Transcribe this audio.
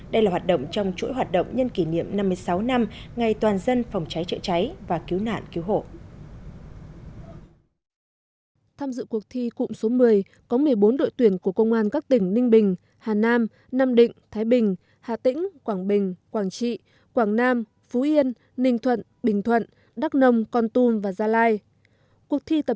đây là hoạt động trong chuỗi hoạt động nhân kỷ niệm năm mươi sáu năm ngày toàn dân phòng cháy chữa cháy và cứu nạn cứu hổ